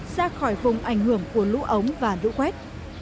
ra khỏi vùng ảnh hưởng của lũ ống và lũ quét